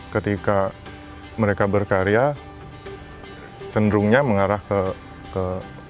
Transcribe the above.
ketika mereka berkarya cenderungnya mengarah ke